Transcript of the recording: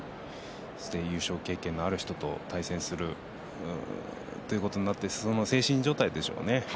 すでに、優勝経験がある人と対戦するということになってその精神状態でしょうね。